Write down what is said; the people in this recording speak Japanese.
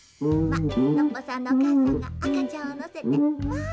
ノッポさんのおかあさんがあかちゃんをのせて。